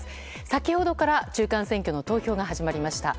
先ほどから中間選挙の投票が始まりました。